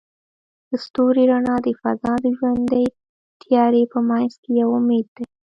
د ستوري رڼا د فضاء د ژورې تیارې په منځ کې یو امید دی.